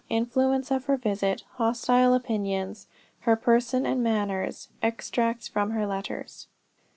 INFLUENCE OF HER VISIT. HOSTILE OPINIONS. HER PERSON AND MANNERS. EXTRACTS FROM HER LETTERS.